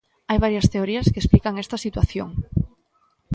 Hai varias teorías que explican esta situación.